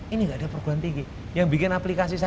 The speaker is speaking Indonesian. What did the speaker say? ini enggak ada pergantian yang bikin aplikasi saya